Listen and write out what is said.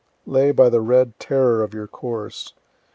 Lay by the red terror of your course.